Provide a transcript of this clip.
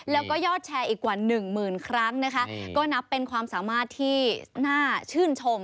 แล้วก็ยอดแชร์อีกกว่าหนึ่งหมื่นครั้งนะคะก็นับเป็นความสามารถที่น่าชื่นชม